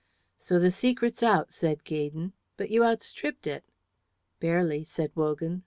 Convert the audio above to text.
"So the secret's out," said Gaydon. "But you outstripped it." "Barely," said Wogan.